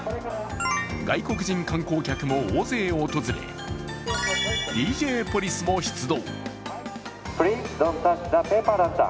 外国人観光客も大勢訪れ、ＤＪポリスも出動。